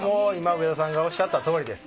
上田さんがおっしゃった通りです。